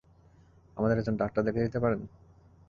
আমাদের একজন ডাক্তার ডেকে দিতে পারেন?